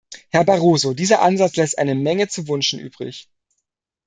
Herr Barroso, dieser Ansatz lässt eine Menge zu wünschen übrig.